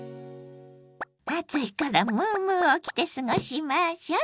暑いからムームーを着て過ごしましょ！